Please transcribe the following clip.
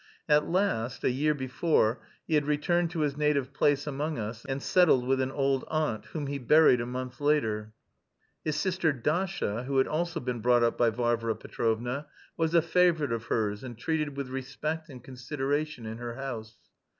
At last, a year before, he had returned to his native place among us and settled with an old aunt, whom he buried a month later. His sister Dasha, who had also been brought up by Varvara Petrovna, was a favourite of hers, and treated with respect and consideration in her house.